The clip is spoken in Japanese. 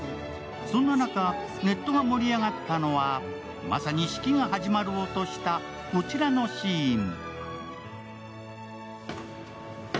そんな中、ネットが盛り上がったのはまさに式が始まろうとしたこちらのシーン。